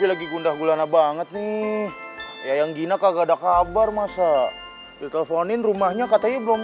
lagi gundah gulana banget nih yang gina kagak ada kabar masa diteleponin rumahnya katanya belum